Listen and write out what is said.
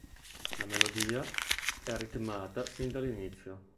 La melodia è ritmata sin dall'inizio.